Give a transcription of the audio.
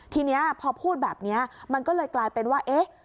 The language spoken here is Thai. ทีนี้พอพูดแบบนี้มันก็เลยกลายเป็นว่าเอ๊ะ